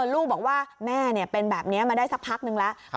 ลูกบอกว่าแม่เป็นแบบนี้มาได้สักพักนึงแล้ว